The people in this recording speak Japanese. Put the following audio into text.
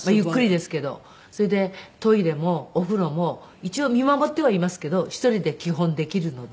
それでトイレもお風呂も一応見守ってはいますけど１人で基本できるので。